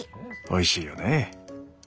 おいしいよね。